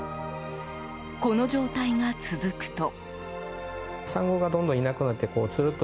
この状態が続くと。